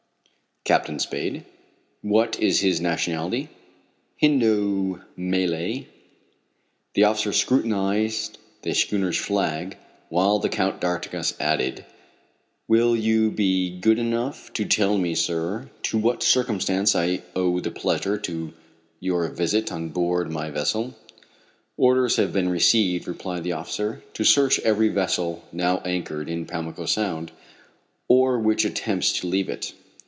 "Captain Spade." "What is his nationality?" "Hindo Malay." The officer scrutinized the schooner's flag, while the Count d'Artigas added: "Will you be good enough to tell me, sir, to what circumstance I owe the pleasure of your visit on board my vessel?" "Orders have been received," replied the officer, "to search every vessel now anchored in Pamlico Sound, or which attempts to leave it."